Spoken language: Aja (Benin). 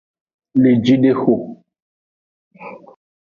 Lejidexo.